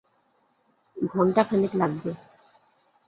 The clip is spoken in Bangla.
ঘণ্টা খানেক লাগবে।